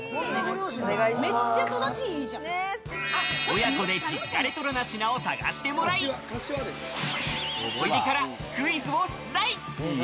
親子で実家レトロな品を探してもらい、思い出からクイズを出題。